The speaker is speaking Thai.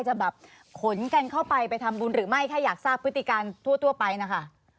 จะแบบขนกันเข้าไปไปทำบุญหรือไม่แค่อยากทราบพฤติการทั่วไปนะคะ